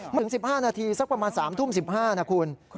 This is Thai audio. ถึง๑๕นาทีสักประมาณ๓ทุ่ม๑๕นะคุณ